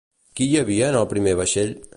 Qui hi havia en el primer vaixell?